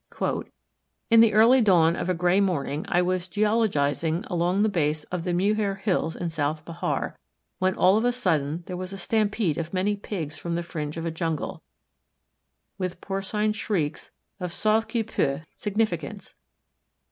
"In the early dawn of a gray morning I was geologizing along the base of the Muhair hills in South Behar, when all of a sudden there was a stampede of many Pigs from the fringe of a jungle, with porcine shrieks of sauve qui peut significance.